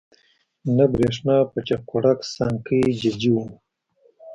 نه برېښنا په چاقوړک، سانکۍ ججي وو